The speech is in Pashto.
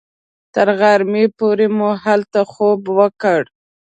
تر غرمې پورې مو هلته خوب وکړ.